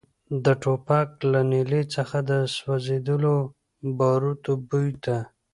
د ټوپک له نلۍ څخه د سوځېدلو باروتو بوی ته.